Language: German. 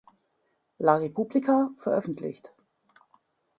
La Repubblica, veröffentlicht.